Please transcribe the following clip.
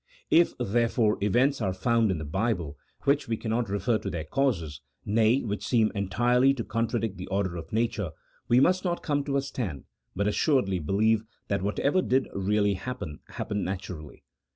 If, therefore, events are found in the Bible which we cannot refer to their causes, nay, which seem entirely to contradict the order of nature, we must not come to a stand, but assuredly believe that whatever did really happen happened naturally.